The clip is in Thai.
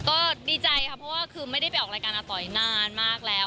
ก็ดีใจค่ะเพราะว่าคือไม่ได้ไปออกรายการอาต๋อยนานมากแล้ว